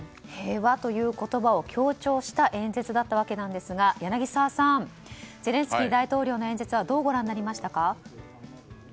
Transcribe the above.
平和という言葉を強調した演説だったわけですが柳澤さんゼレンスキー大統領の演説はどうご覧になりましたか。